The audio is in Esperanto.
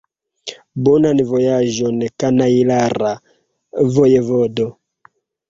Bonan vojaĝon, kanajlara vojevodo!